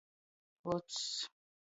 Lucs.